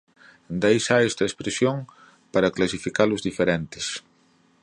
De aí sae esta expresión para clasificar os diferentes.